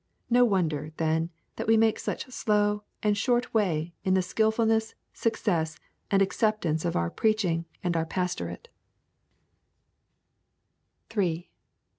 No wonder, then, that we make such slow and short way in the skilfulness, success, and acceptance of our preaching and our pastorate.